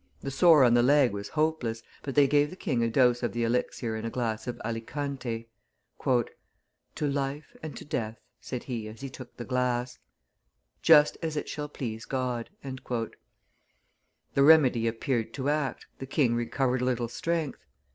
The sore on the leg was hopeless, but they gave the king a dose of the elixir in a glass of Alicante. "To life and to death," said he as he took the glass; "just as it shall please God." The remedy appeared to act; the king recovered a little strength.